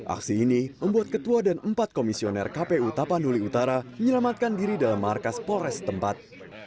aksi ini membuat ketua dan empat komisioner kpu tapanuli utara menyelamatkan diri dalam markas polres tempat